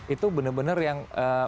itu benar benar yang